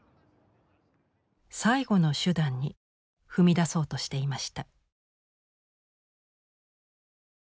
最後の手段に踏み出そうとしていました。